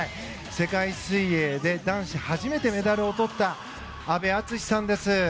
世界水泳で男子、初めてメダルを取った安部篤史さんです。